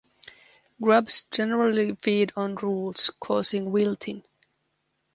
Grubs generally feed on roots causing wilting.